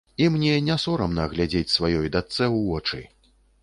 І мне не сорамна глядзець сваёй дачцэ ў вочы.